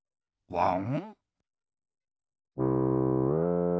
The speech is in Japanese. ワン！